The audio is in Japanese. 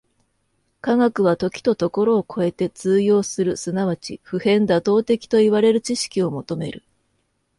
科学は時と処を超えて通用する即ち普遍妥当的といわれる知識を求める。